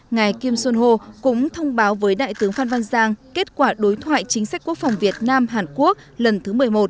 ngài kim son ho cũng thông báo với đại tướng phan văn giang kết quả đối thoại chính sách quốc phòng việt nam hàn quốc lần thứ một mươi một